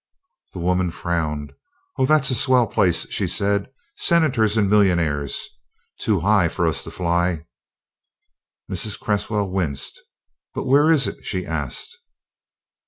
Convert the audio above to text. The woman frowned. "Oh, that's a swell place," she said. "Senators and millionaires. Too high for us to fly." Mrs. Cresswell winced. "But where is it?" she asked.